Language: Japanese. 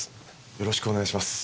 よろしくお願いします。